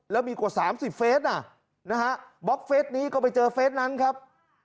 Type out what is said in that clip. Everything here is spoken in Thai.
แล้วมีกว่า๓๐เฟสนะฮะบล็อกเฟสนี้ก็ไปเจอเฟสนั้นครับ